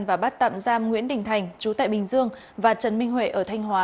và bắt tạm giam nguyễn đình thành chú tại bình dương và trần minh huệ ở thanh hóa